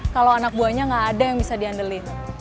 kalau anak buahnya gak ada yang bisa diandelin